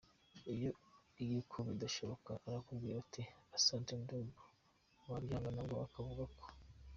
Iyo umubwiye ko bidashoboka arakubwira ati ‘Asante ndugu’ wabyanga nabwo akavuga uko.